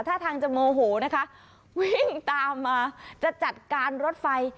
ถ้าทางจะโมโหนะคะวิ่งตามมาจะจัดการรถไฟ